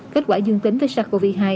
kết quả dương tính với sars cov hai